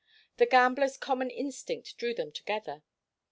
The gambler's common instinct drew them together.